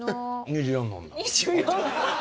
２４。